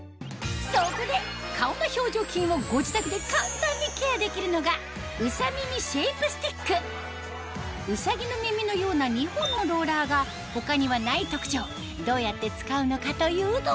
そこで顔の表情筋をご自宅で簡単にケアできるのがウサギの耳のような２本のローラーが他にはない特徴どうやって使うのかというと？